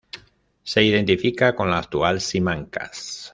Se identifica con la actual Simancas.